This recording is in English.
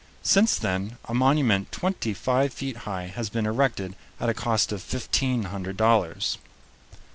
Since then a monument twenty five feet high has been erected at a cost of fifteen hundred dollars.